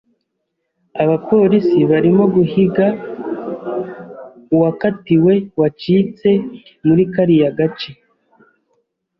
Abapolisi barimo guhiga uwakatiwe wacitse muri kariya gace.